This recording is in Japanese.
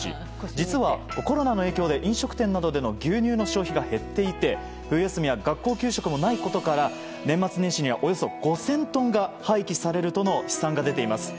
実は、コロナの影響で飲食店などでの牛乳の消費が減っていて冬休みは学校給食もないことから年末年始にはおよそ５０００トンが廃棄されるとの試算が出ています。